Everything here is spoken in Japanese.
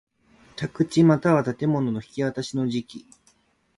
宅地又は建物の引渡しの時期